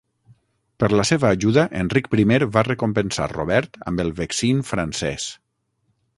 Per la seva ajuda, Enric Primer va recompensar Robert amb el Vexin francès.